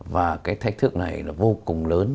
và cái thách thức này là vô cùng lớn